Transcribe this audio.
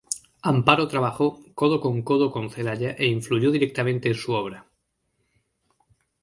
Amparo trabajó codo con codo con Celaya e influyó directamente en su obra.